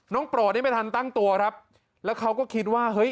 โปรดนี่ไม่ทันตั้งตัวครับแล้วเขาก็คิดว่าเฮ้ย